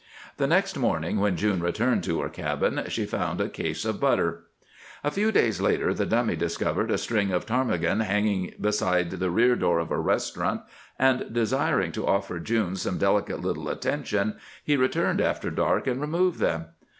The next morning when June returned to her cabin she found a case of butter. A few days later the Dummy discovered a string of ptarmigan hanging beside the rear door of a restaurant, and, desiring to offer June some delicate little attention, he returned after dark and removed them.